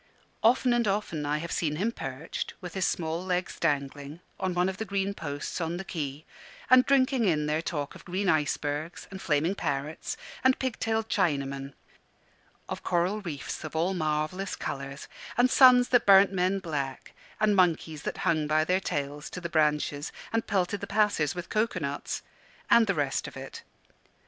Often and often I have seen him perched, with his small legs dangling, on one of the green posts on the quay, and drinking in their talk of green icebergs, and flaming parrots, and pig tailed Chinamen; of coral reefs of all marvellous colours, and suns that burnt men black, and monkeys that hung by their tails to the branches and pelted the passers by with coco nuts; and the rest of it.